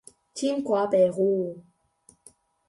新店線和小碧潭支線